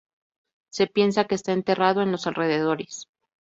Se piensa que está enterrado en los alrededores.